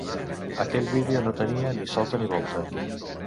Aquell vídeo no tenia ni solta ni volta